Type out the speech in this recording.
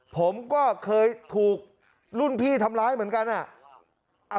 ผมก็เคยถูกรุ่นพี่ทำร้ายเหมือนกัน